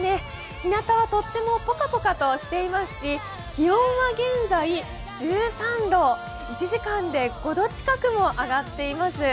ひなたはとってもぽかぽかとしていますし気温は現在、１３度、１時間で５度近くも上がっています。